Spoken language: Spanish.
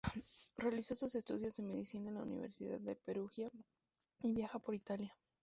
Realizó sus estudios de medicina en la Universidad de Perugia, y viaja por Italia.